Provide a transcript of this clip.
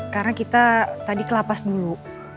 karena kita tadi kelapas dulu